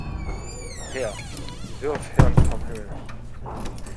Herr, wirf Hirn vom Himmel!